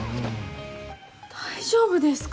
大丈夫ですか？